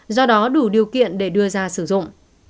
do đó đủ điều kiện để đưa ra sử dụng